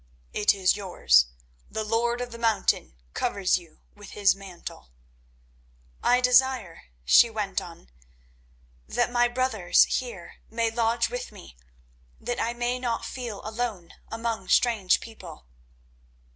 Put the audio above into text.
"It is yours. The Lord of the Mountain covers you with his own mantle." "I desire," she went on, "that my brothers here may lodge with me, that I may not feel alone among strange people."